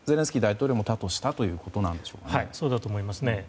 そうだと思います。